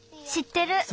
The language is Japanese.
しってる。